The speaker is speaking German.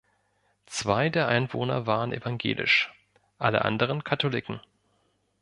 Zwei der Einwohner waren evangelisch, alle anderen Katholiken.